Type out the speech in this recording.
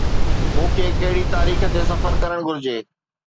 مون کي ڪهڙي تاريخ تي سفر ڪرڻ گهرجي؟